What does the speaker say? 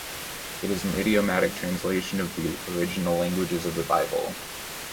It is an idiomatic translation of the original languages of the Bible.